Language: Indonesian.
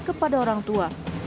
kepada orang tua